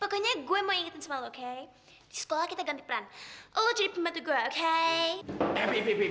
pokoknya gue mau ingetin sama lo oke di sekolah kita ganti peran oloj pembantu gue oke